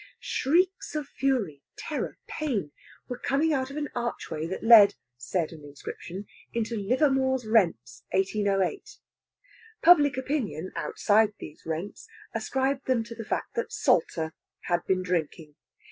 Shrieks of fury, terror, pain were coming out of an archway that led, said an inscription, into Livermore's Rents, 1808. Public opinion, outside those Rents, ascribed them to the fact that Salter had been drinking.